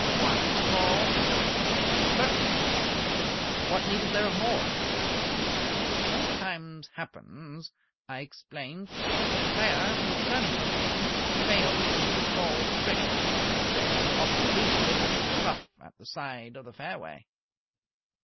"One ball?" "Certainly. What need is there of more?" "It sometimes happens," I explained, "that a player who is learning the game fails to hit his ball straight, and then he often loses it in the rough at the side of the fairway."